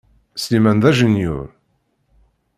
Sliman d ajenyur.